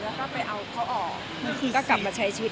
แล้วก็ไปเอาเขาออกก็กลับมาใช้ชีวิต